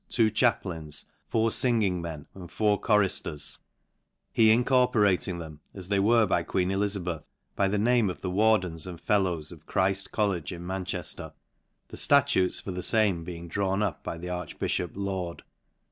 two chaplains, four finging men, and four chonfters ; he incorporating them, as they were by queen Elizabeth, by the name of the wardens and' fellows of Chrijl College in Mcnicheller, the ftatutes for the fame being drawn up by archbifhop Laud.